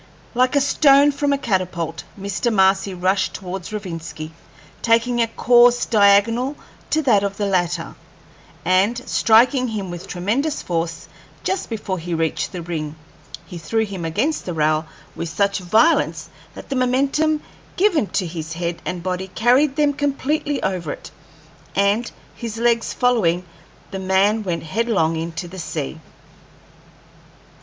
Like a stone from a catapult, Mr. Marcy rushed towards Rovinski, taking a course diagonal to that of the latter, and, striking him with tremendous force just before he reached the ring, he threw him against the rail with such violence that the momentum given to his head and body carried them completely over it, and his legs following, the man went headlong into the sea.